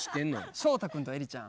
翔太君とエリちゃん